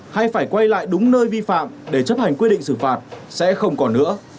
hay phải quay lại đúng nơi vi phạm để chấp hành quy định xử phạt sẽ không còn nữa